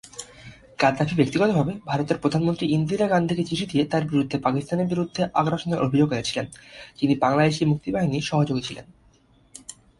Gaddafi ব্যক্তিগতভাবে ভারতের প্রধানমন্ত্রী ইন্দিরা গান্ধীকে চিঠি দিয়ে তার বিরুদ্ধে পাকিস্তানের বিরুদ্ধে আগ্রাসনের অভিযোগ এনেছিলেন, যিনি বাংলাদেশী মুক্তিবাহিনীর সহযোগী ছিলেন।